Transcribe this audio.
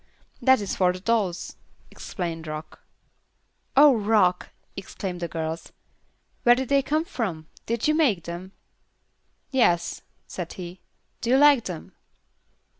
"That is for the dolls," explained Rock. "Oh, Rock!" exclaimed the girls. "Where did they come from? Did you make them?" "Yes," said he. "Do you like them?"